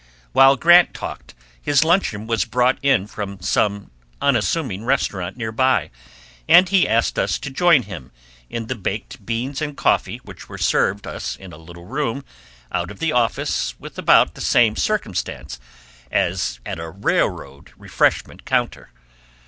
While Grant talked, his luncheon was brought in from some unassuming restaurant near by, and he asked us to join him in the baked beans and coffee which were served us in a little room out of the office with about the same circumstance as at a railroad refreshment counter.